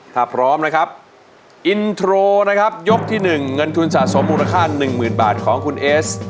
ถ้าพร้อมนะครับอินโทรนะครับยกที่๑เงินทุนสะสมมูลค่าหนึ่งหมื่นบาทของคุณเอส